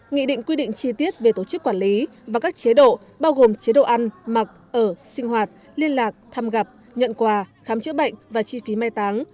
nghị định quy định chi tiết về tổ chức quản lý và các chế độ bao gồm chế độ ăn mặc ở sinh hoạt liên lạc thăm gặp nhận quà khám chữa bệnh và chi phí mai táng